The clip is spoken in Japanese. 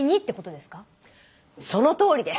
そのとおりです！